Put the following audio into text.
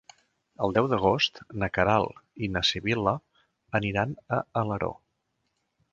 El deu d'agost na Queralt i na Sibil·la aniran a Alaró.